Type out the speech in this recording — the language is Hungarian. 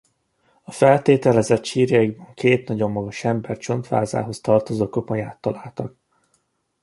A feltételezett sírjaikban két nagyon magas ember csontvázához tartozó koponyát találtak.